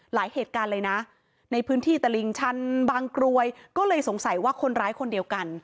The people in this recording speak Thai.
หลายเหตุการณ์เลยนะในพื้นที่ตลิ่งชันบางกรวยก็เลยสงสัยว่าคนร้ายคนเดียวกัน